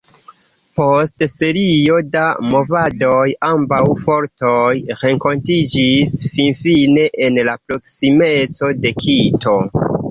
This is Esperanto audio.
Post serio da movadoj, ambaŭ fortoj renkontiĝis finfine en la proksimeco de Kito.